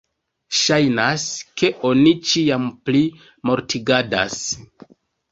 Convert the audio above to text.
Ŝajnas, ke oni ĉiam pli mortigadas.